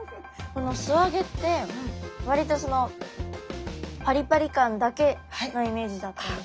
この素揚げって割とそのパリパリ感だけのイメージだったんですけど。